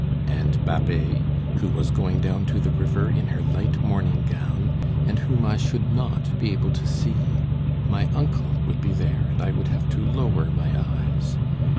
And Babet, who was going down to the river in her light morning gown, and whom I should not be able to see! My uncle would be there, and I would have to lower my eyes.